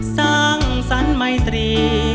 สร้างสรรค์ไมตรี